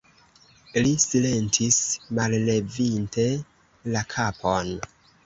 Li silentis, mallevinte la kapon.